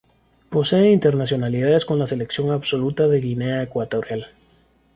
Posee internacionalidades con la selección absoluta de Guinea Ecuatorial.